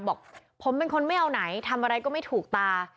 บอกผมเป็นคนไม่เอาไหนทำอะไรก็ไม่ถูกตา